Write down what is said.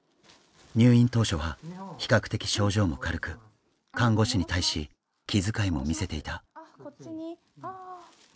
入院当初は比較的症状も軽く看護師に対し気遣いも見せていた。